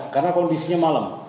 karena kondisinya malam